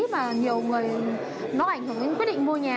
và nhiều người nó ảnh hưởng đến quyết định mua nhà